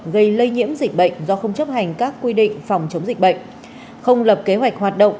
gây lây nhiễm dịch bệnh do không chấp hành các quy định phòng chống dịch bệnh không lập kế hoạch hoạt động